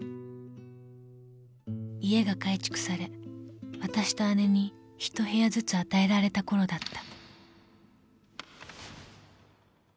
［家が改築されわたしと姉にひと部屋ずつ与えられたころだった］